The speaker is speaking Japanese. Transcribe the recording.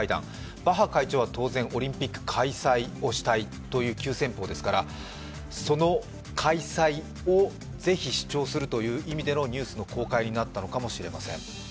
バッハ会長は当然オリンピック開催をしたいという急先ぽうですからその開催をぜひ主張するという意味でのニュースの公開になったのかもしれません。